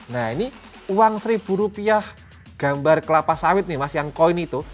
nah ini uang seribu rupiah gambar kelapa sawit nih mas yang koin itu